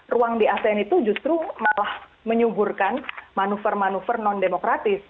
ruang di asean itu justru malah menyuburkan manuver manuver non demokratis